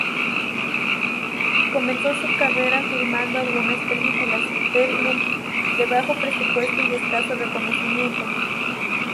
Comenzó su carrera filmando algunas películas "peplum" de bajo presupuesto y escaso reconocimiento.